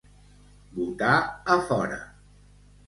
Botar a fora.